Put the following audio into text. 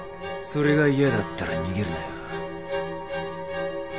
それが嫌だったら逃げるなよ。